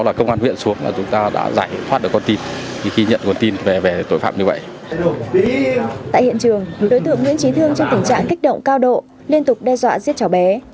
liên tục đe dọa giết cháu bé